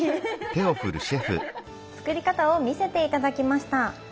作り方を見せて頂きました。